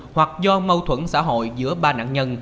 hoặc do mâu thuẫn xã hội giữa ba nạn nhân